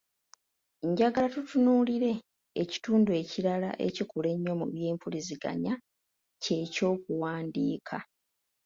Njagala tutunuulire ekitundu ekirala ekikulu ennyo mu by’empuliziganya kye ky’okuwandiika.